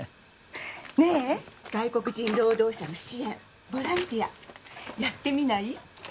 ねえ外国人労働者の支援ボランティアやってみない？